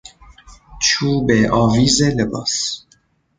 چوب آویز لباس